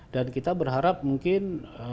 dan kita berharap mungkin